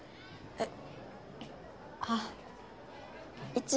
えっ。